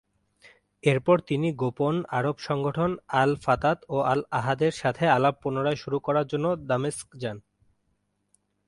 এরপর তিনি গোপন আরব সংগঠন আল-ফাতাত ও আল-আহাদের সাথে আলাপ পুনরায় শুরু করার জন্য দামেস্ক যান।